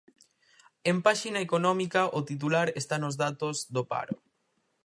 En páxina económica, o titular está nos datos do paro.